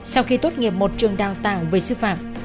sau khi tốt nghiệp một trường đào tạo về sư phạm